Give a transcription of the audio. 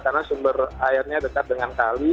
karena sumber airnya dekat dengan kali